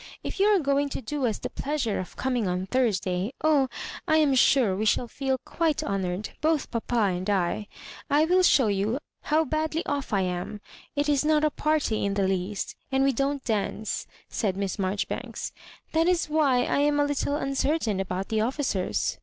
If you are going to do us the pleasure of coming on Thursday — ^Oh, I am sure we shall feel quite honoured, both papa and I — ^I will show you how badly off I am. It is not a party in the least, and we don't dance," said Miss Marjori banks, *'that is why I am a. little uncertain about the officers.